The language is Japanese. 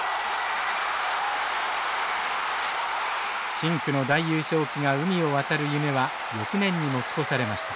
深紅の大優勝旗が海を渡る夢は翌年に持ち越されました。